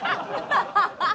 ハハハハ！